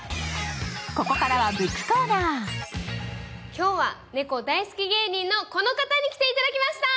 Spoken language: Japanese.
今日は猫大好き芸人のこの方に来ていただきました。